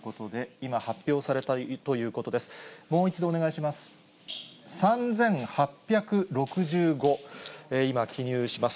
もう一度お願いします。